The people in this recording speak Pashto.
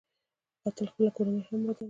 قاتل خپله کورنۍ هم بدناموي